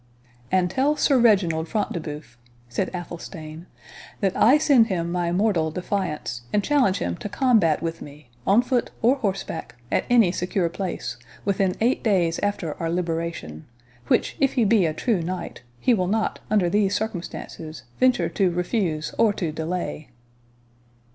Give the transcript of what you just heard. "And tell Sir Reginald Front de Bœuf," said Athelstane, "that I send him my mortal defiance, and challenge him to combat with me, on foot or horseback, at any secure place, within eight days after our liberation; which, if he be a true knight, he will not, under these circumstances, venture to refuse or to delay."